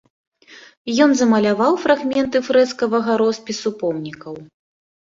Ён замаляваў фрагменты фрэскавага роспісу помнікаў.